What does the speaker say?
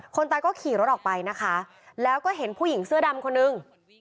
คนตายก็ขี่รถออกไปนะคะแล้วก็เห็นผู้หญิงเสื้อดำคนนึง